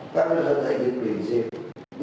kami harus ada prinsip